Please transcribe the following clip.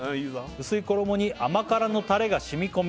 「薄い衣に甘辛のたれが染み込み